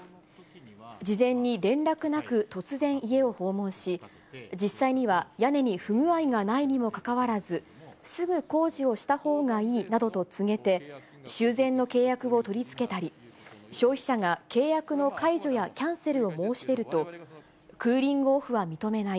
事前に連絡なく、突然家を訪問し、実際には屋根に不具合がないにもかかわらず、すぐ工事をしたほうがいいなどと告げて、修繕の契約を取り付けたり、消費者が契約の解除やキャンセルを申し出ると、クーリングオフは認めない。